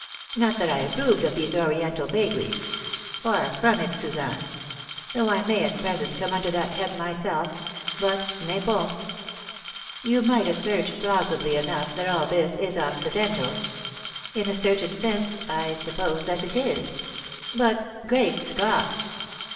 Not that I approved of these Oriental vagaries. Far from it, Suzanne. Though I may at present come under that head myself but n'importe! You might assert, plausibly enough, that all this is Occidental. In a certain sense, I suppose that it is. But Great Scott!"